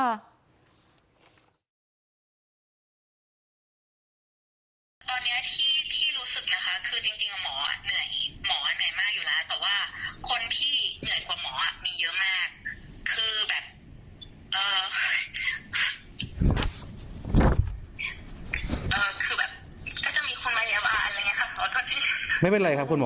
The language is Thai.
ตอนนี้ที่รู้สึกนะคะคือจริงหมอเหนื่อยมากอยู่แล้ว